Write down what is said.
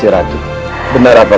tidak tidak tidak